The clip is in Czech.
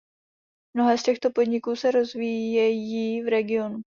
Mnohé z těchto podniků se rozvíjejí v regionu.